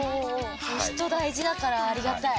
人大事だからありがたい。